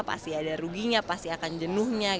pasti ada ruginya pasti akan jenuhnya